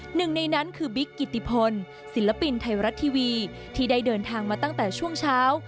หนึ่งในนั้นคือบิ๊กกิติพลศิลปินไทยรัฐทีวีที่ได้เดินทางมาตั้งแต่ช่วงเช้า